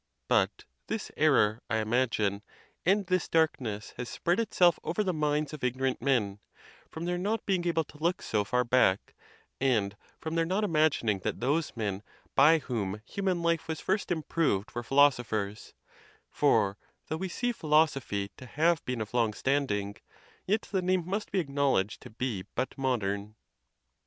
But this error, I imag ine, and this darkness has spread itself over the minds of ignorant men, from their not being able to look so far back, and from their not imagining that those men by whom hu man life was first improved were philosophers ; for though we see philosophy to have been of long standing, yet the name must be acknowledged to be but modern.